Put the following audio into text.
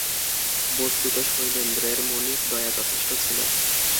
বস্তুত শৈলেন্দ্রের মনে দয়া যথেষ্ট ছিল।